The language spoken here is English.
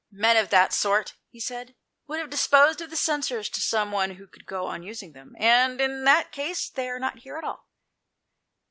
" Men of that sort," he said, "would have disposed of the censers to some one who could go on using them, and in that case they are not here at all."